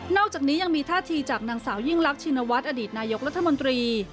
อกจากนี้ยังมีท่าทีจากนางสาวยิ่งรักชินวัฒน์อดีตนายกรัฐมนตรี